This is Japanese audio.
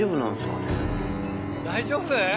大丈夫？